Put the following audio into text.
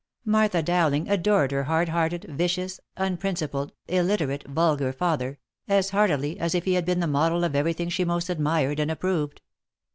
Martha Dowling adored her hard hearted, vicious, unprincipled, illiterate, vulgar father, as heartily as if he had been the model of every thing she most admired and approved.